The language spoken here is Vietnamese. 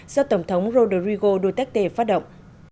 do tổng thống rodrigo duterte phát động